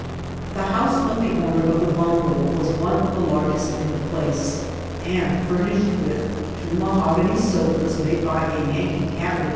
The house of the owner of the bungo was one of the largest in the place, and furnish ed with two mahogany sofas made by a Yankee cabi PORTOFNAGOSCOLO.